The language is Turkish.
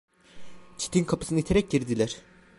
Çitin kapısını iterek girdiler.